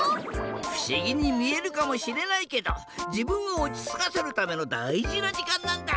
ふしぎにみえるかもしれないけどじぶんをおちつかせるためのだいじなじかんなんだ。